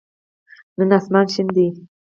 نن آسمان شین دی